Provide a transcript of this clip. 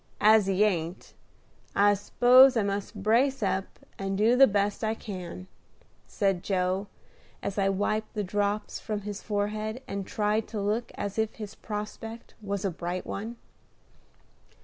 As he ain't, I s'pose I must brace up, and do the best I can," said Joe, as I wiped the drops from his forehead, and tried to look as if his prospect was a bright one.